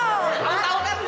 kamu tau kan